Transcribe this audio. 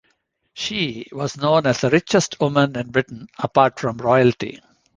She was known as the richest woman in Britain, apart from royalty.